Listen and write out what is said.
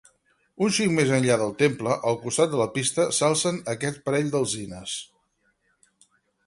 Un xic més enllà del temple, al costat de la pista, s'alcen aquest parell d'alzines.